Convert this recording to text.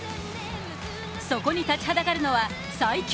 そこに立ちはだかるのは最強